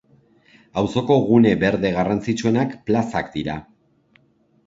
Auzoko gune berde garrantzitsuenak plazak dira.